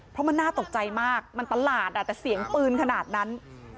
เพราะมันน่าตกใจมากมันตลาดแต่เสียงปืนขนาดนั้น